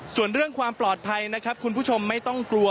ส่วนเรื่องความปลอดภัยนะครับคุณผู้ชมไม่ต้องกลัว